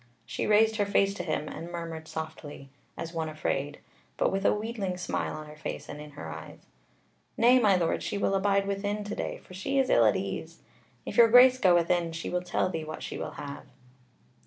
She raised her face to him, and murmured softly, as one afraid, but with a wheedling smile on her face and in her eyes: "Nay, my Lord, she will abide within to day, for she is ill at ease; if your grace goeth in, she will tell thee what she will have."